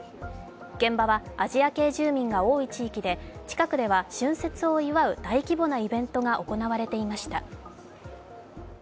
現場はアジア系住民が多い地域で近くでは春節を祝う大規模なイベントが行われていました。